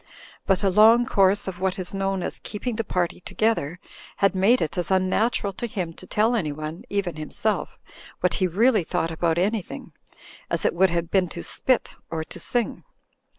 But a long course of what is known as "keeping the party together" had made it as unnatural to him to tell anyone (even himself) what he really thought about an3rthing, as it would have been to spit— or to sing.